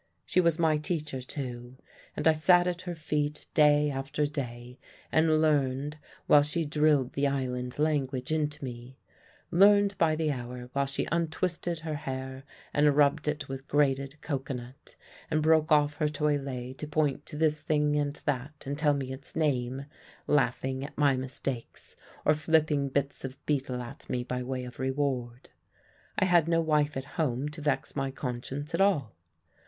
She was my teacher, too, and I sat at her feet day after day and learned while she drilled the island language into me; learned by the hour while she untwisted her hair and rubbed it with grated cocoanut, and broke off her toilet to point to this thing and that and tell me its name, laughing at my mistakes or flipping bits of betel at me by way of reward. I had no wife at home to vex my conscience at all.